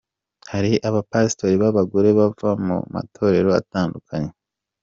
Hari abapasitori b'abagore bava mu matorero atandukanye.